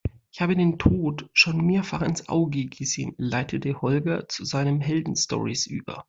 Ich habe dem Tod schon mehrfach ins Auge gesehen, leitete Holger zu seinen Heldenstorys über.